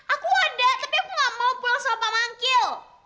aku ada tapi aku gak mau pulang sama mangkil